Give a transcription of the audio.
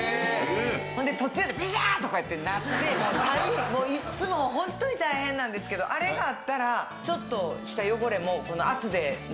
ほんで途中でビシャーとかってなってたりもういつもホントに大変なんですけどあれがあったら。